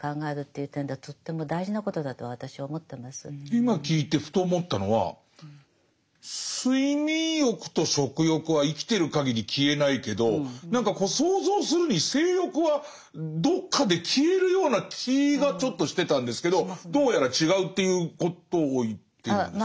今聞いてふと思ったのは睡眠欲と食欲は生きてるかぎり消えないけど何かこう想像するに性欲はどっかで消えるような気がちょっとしてたんですけどどうやら違うっていうことを言ってるんですか？